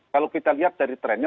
kalau kita lihat dari trennya